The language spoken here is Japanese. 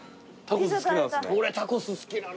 タコス好きなんですね。